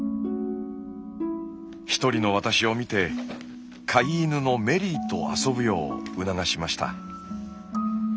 一人の私を見て飼い犬のメリーと遊ぶよう促しました。